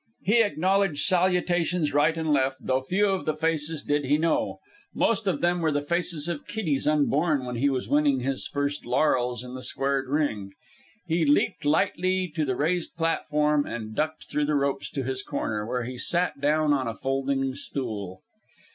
He acknowledged salutations right and left, though few of the faces did he know. Most of them were the faces of kiddies unborn when he was winning his first laurels in the squared ring. He leaped lightly to the raised platform and ducked through the ropes to his corner, where he sat down on a folding stool.